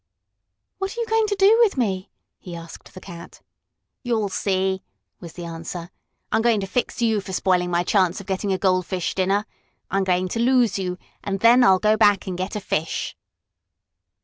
"What are you going to do with me?" he asked the cat. "You'll see!" was the answer. "I'm going to fix you for spoiling my chance of getting a goldfish dinner! I'm going to lose you, and then I'll go back and get a fish."